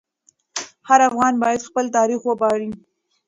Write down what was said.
هر افغان باید په خپل تاریخ وویاړي.